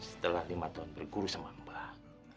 setelah lima tahun berguru sama mbah